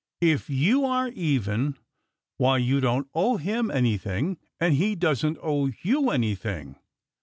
"If you are even, why you don't owe him anything, and he doesn't owe you anything.